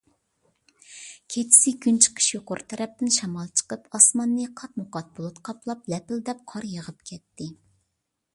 كېچىسى كۈنچىقىش يۇقىرى تەرەپتىن شامال چىقىپ، ئاسماننى قاتمۇقات بۇلۇت قاپلاپ، لەپىلدەپ قار يېغىپ كەتتى.